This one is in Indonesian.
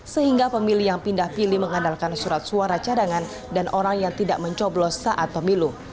sehingga pemilih yang pindah pilih mengandalkan surat suara cadangan dan orang yang tidak mencoblos saat pemilu